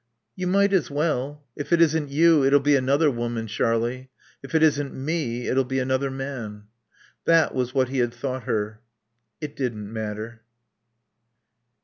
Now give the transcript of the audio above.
"You might as well. If it isn't you, it'll be another woman, Sharlie. If it isn't me, it'll be another man." That was what he had thought her. It didn't matter.